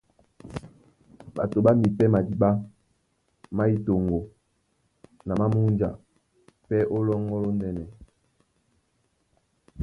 Ɓato ɓá mipɛ́ madíɓá má yí toŋgo na má múnja pɛ́ ó lɔ́ŋgɔ́ lóndɛ́nɛ.